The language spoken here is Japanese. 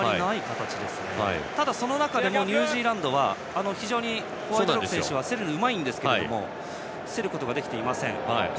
その中でもニュージーランドは非常に競るのがうまいんですが競ることができていません。